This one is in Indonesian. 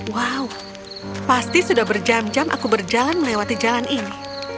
wow pasti sudah berjam jam aku berjalan melewati jalan ini